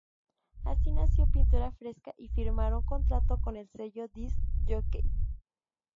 Así nació Pintura Fresca y firmaron contrato con el sello Disk Jockey.